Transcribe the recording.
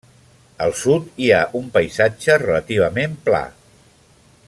Al sud hi ha un paisatge relativament pla.